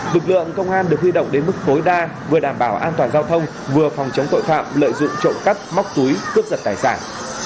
lực lượng công an được huy động đến mức tối đa vừa đảm bảo an toàn giao thông vừa phòng chống tội phạm lợi dụng trộm cắp móc túi cướp giật tài sản